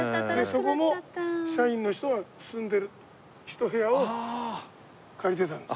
そこの社員の人が住んでるひと部屋を借りてたんですね。